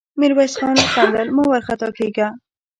ميرويس خان وخندل: مه وارخطا کېږه!